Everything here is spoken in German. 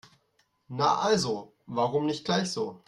Na also, warum nicht gleich so?